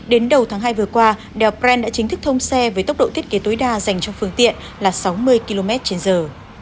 đến đầu tháng hai vừa qua đèo bren đã chính thức thông xe với tốc độ thiết kế tối đa dành cho phương tiện là sáu mươi km trên giờ